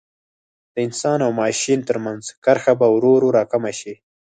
د انسان او ماشین ترمنځ کرښه به ورو ورو را کمه شي.